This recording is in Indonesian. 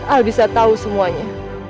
al bisa tahu semuanya